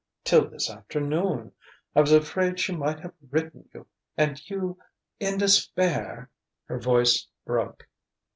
till this afternoon. I was afraid she might have written you and you in despair " Her voice broke.